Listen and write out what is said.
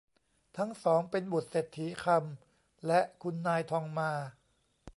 ทั้งสองเป็นบุตรเศรษฐีคำ และคุณนายทองมา